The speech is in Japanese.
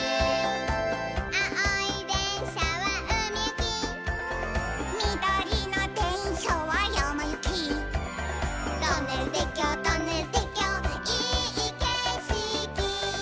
「あおいでんしゃはうみゆき」「みどりのでんしゃはやまゆき」「トンネルてっきょうトンネルてっきょういいけしき」